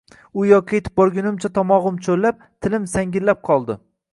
U yoqqa yetib borgunimcha tomog‘im cho‘llab, tilim sangillab qoldi